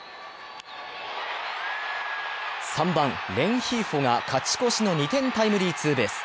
３番・レンヒーフォが勝ち越しの２点タイムリーツーベース。